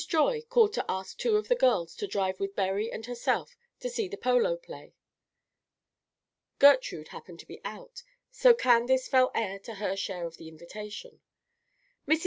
Joy called to ask two of the girls to drive with Berry and herself to see the polo play. Gertrude happened to be out; so Candace fell heir to her share of the invitation. Mrs.